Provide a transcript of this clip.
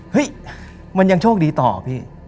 เฮ้ยมันยังโชคดีต่อพี่